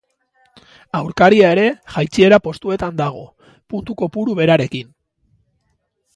Aurkaria ere jaitsiera postuetan dago, puntu kopuru berarekin.